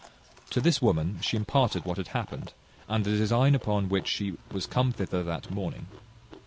To this woman she imparted what had happened, and the design upon which she was come thither that morning.